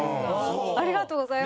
ありがとうございます。